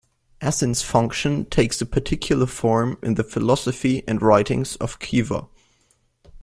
Essence-Function takes a particular form in the philosophy and writings of Kihwa.